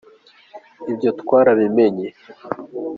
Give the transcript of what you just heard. ibyo twarabimenye.